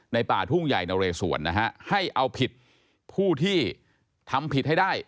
ป่าทุ่งใหญ่นเรสวนนะฮะให้เอาผิดผู้ที่ทำผิดให้ได้